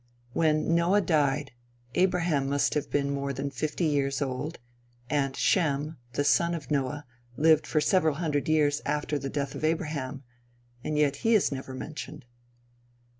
When Noah died, Abraham must have been more than fifty years old; and Shem, the son of Noah, lived for several hundred years after the death of Abraham; and yet he is never mentioned.